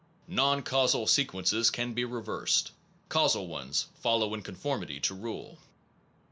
Non causal se quences can be reversed; causal ones follow in conformity to rule.